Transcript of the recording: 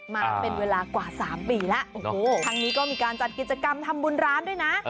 มาเป็นเวลากว่า๓ปีแล้วโอ้โหทางนี้ก็มีการจัดกิจกรรมทำบุญร้านด้วยนะ